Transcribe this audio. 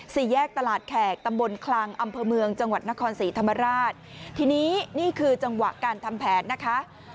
สี่แยกตลาดแขกตำบลคลังอำเภอเมืองจังหวัดนครศรีธรรมราชทีนี้นี่คือจังหวะการทำแผนนะคะ